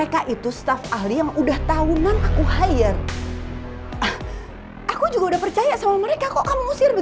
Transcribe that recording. kasih ya bu